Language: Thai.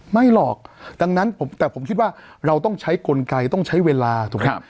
ไม่หรอกดังนั้นแต่ผมคิดว่าเราต้องใช้กลไกต้องใช้เวลาถูกไหมครับ